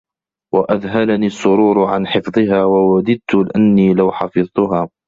وَأَذْهَلَنِي السُّرُورُ عَنْ حِفْظِهَا وَوَدِدْت أَنِّي لَوْ حَفِظْتهَا